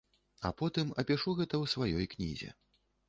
Я потым апішу гэта ў сваёй кнізе.